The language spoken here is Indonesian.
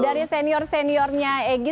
dari senior seniornya egy